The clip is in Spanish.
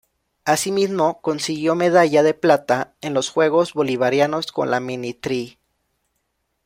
Así mismo consiguió medalla de Plata en los Juegos Bolivarianos con la "Mini Tri".